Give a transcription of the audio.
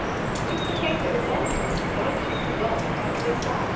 With potatoes also astonishing results have been got.